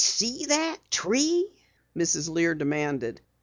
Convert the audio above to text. "See that tree?" Mrs. Lear demanded.